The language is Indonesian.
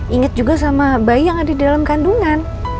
ingat juga sama bayi yang ada di dalam kandungan